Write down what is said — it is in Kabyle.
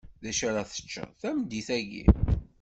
Dacu ara teččeḍ tameddit-aki?